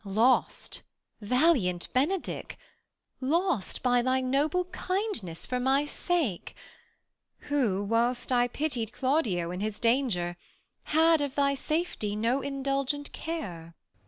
Lost, valiant Benedick, Lost by thy noble kindness for my sake ; THE LAW AGAINST LOVERS. 199 Who, whilst I pitied Claudio in his danger, Had of thy safety no indulgent care.